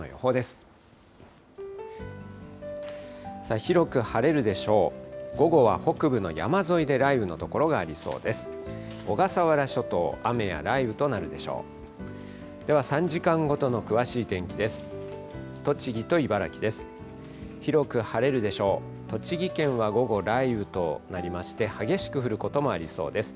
では３時間ごとの詳しい天気です。